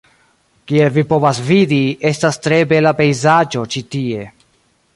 Kiel vi povas vidi, estas tre bela pejzaĝo ĉi tie.